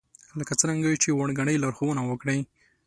لکه څرنګه چې وړ ګنئ لارښوونه وکړئ